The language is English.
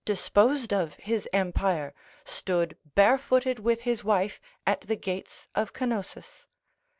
disposed of his empire, stood barefooted with his wife at the gates of Canossus.